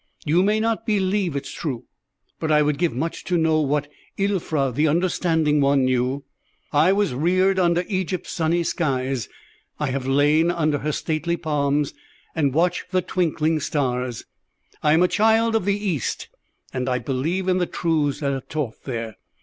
You may not believe it true, but I would give much to know what Ilfra the Understanding One knew. I was reared under Egypt's sunny skies; I have lain under her stately palms and watched the twinkling stars; I am a child of the East, and believe in the truths that are taught there.